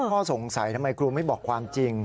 ข้อสงสัยทำไมครูไม่บอกความจริง